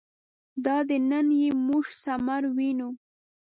دادی نن یې موږ ثمر وینو.